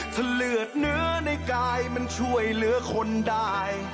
ถ้าเลือดเนื้อในกายมันช่วยเหลือคนได้